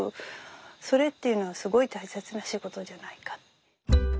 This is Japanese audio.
それっていうのはすごい大切な仕事じゃないかって。